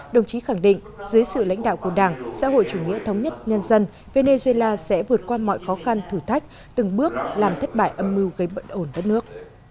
đồng chí khẳng định dưới sự lãnh đạo của đảng xã hội chủ nghĩa thống nhất nhân dân venezuela sẽ vượt qua mọi khó khăn thử thách từng bước làm thất bại âm mưu gây bận ổn đất nước